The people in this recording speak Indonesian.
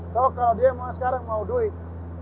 atau kalau dia mau sekarang mau duit